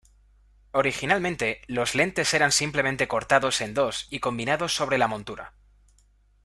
Originalmente, los lentes eran simplemente cortados en dos y combinados sobre la montura.